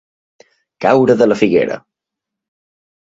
Caure de la figuera.